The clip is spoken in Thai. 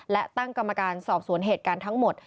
และตั้งกรรมการสอบสวนเหตุการณ์ทั้งหมด